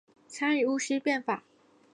参与戊戌变法。